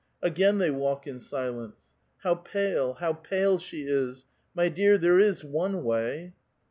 Again they walk in silence. '"ilow pale, how pale she is! — My dear, there is one wav."